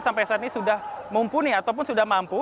sampai saat ini sudah mumpuni ataupun sudah mampu